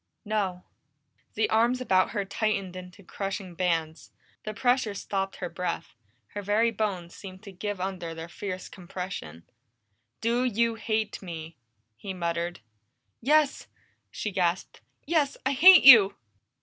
"No." The arms about her tightened into crushing bands. The pressure stopped her breath; her very bones seemed to give under their fierce compression. "Do you hate me?" he muttered. "Yes!" she gasped. "Yes! I hate you!"